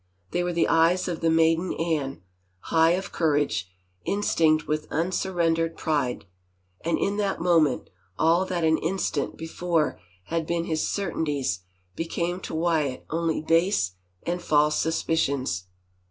They were the eyes of the maiden Anne, high of courage, instinct with unsurrendered pride, and in that moment all that an instant before had been his certainties became to Wyatt only base and false sus picions.